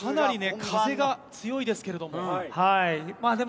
かなりね、風が強いですけれども。